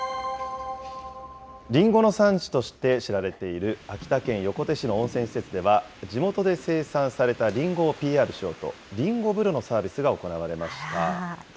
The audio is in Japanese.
りんごの産地として知られている秋田県横手市の温泉施設では、地元で生産されたりんごをＰＲしようと、りんご風呂のサービスが行われました。